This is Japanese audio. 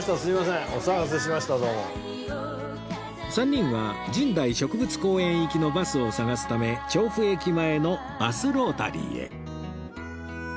３人は神代植物公園行きのバスを探すため調布駅前のバスロータリーへ